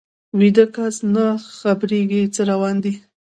ویده کس نه خبریږي څه روان دي